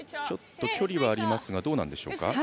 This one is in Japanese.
ちょっと距離はありますがどうなんでしょうか？